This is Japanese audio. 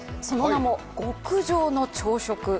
その名も極上の朝食。